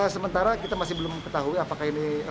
sementara kita masih belum ketahui apakah ini